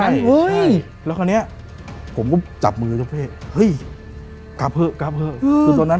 ใช่แล้วคราวนี้ผมก็จับมือเจ้าเฟ่เฮ้ยกลับเถอะกลับเถอะคือตอนนั้น